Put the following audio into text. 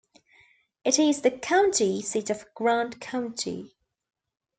It is the county seat of Grant County.